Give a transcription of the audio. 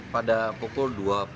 pada pukul dua puluh satu tiga puluh